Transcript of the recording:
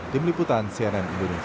tim liputan cnn indonesia